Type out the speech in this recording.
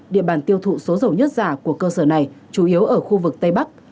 địa bàn tiêu thụ số dầu nhất giả của cơ sở này chủ yếu ở khu vực tây bắc